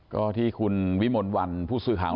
ก็ที่วิมนธ์วันพุทธสือข่าว